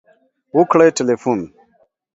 .وکړئ تلیفون